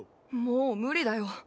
もう無理だよ。